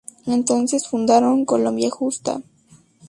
Entonces fundaron "Colombia Justa".